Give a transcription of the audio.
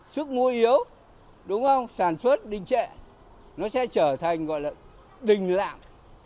sức mua yếu đúng không sản xuất đình trệ nó sẽ trở thành gọi là đình lạm